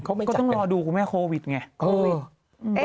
ก็ต้องรอดูกับแม่โควิดไง